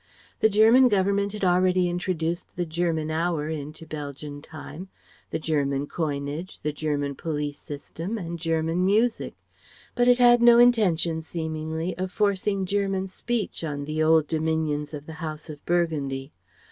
The German Government had already introduced the German hour into Belgian time, the German coinage, the German police system, and German music; but it had no intention, seemingly, of forcing the German speech on the old dominions of the House of Burgundy.